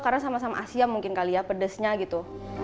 karena sama sama asiam mungkin kali ya pedasnya gitu